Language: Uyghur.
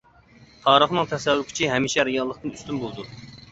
تارىخنىڭ تەسەۋۋۇر كۈچى ھەمىشە رېئاللىقتىن ئۈستۈن بولىدۇ.